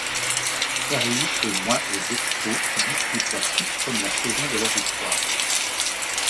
Fairly se joint aux Expos, qui disputent la toute première saison de leur histoire.